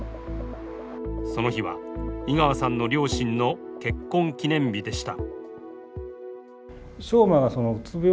その日は井川さんの両親の結婚記念日でした。